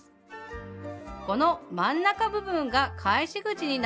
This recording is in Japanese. この真ん中部分が返し口になります。